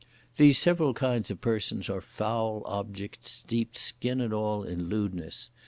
These several kinds of persons are foul objects steeped skin and all in lewdness.